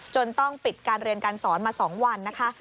ต้องปิดการเรียนการสอนมา๒วันนะคะ